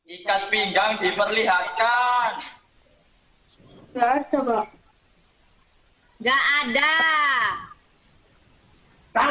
ikat pinggang diperlihatkan